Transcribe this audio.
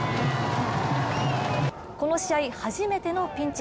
この試合、初めてのピンチ。